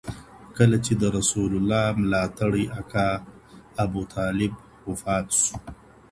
کله چي د رسول الله ملاتړی اکا ابوطالب وفات سو.